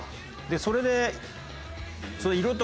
でそれで。